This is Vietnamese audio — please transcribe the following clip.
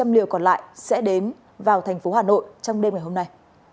một năm trăm linh một trăm linh liều còn lại sẽ đến vào tp hcm trong đêm ngày hôm nay